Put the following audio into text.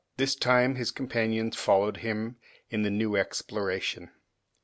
This time his companions followed him in the new exploration.